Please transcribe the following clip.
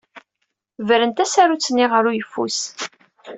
Bren tasarut-nni ɣer uyeffus.